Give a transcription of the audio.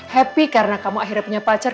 happy karena kamu akhirnya punya pacar